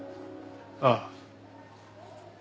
ああ。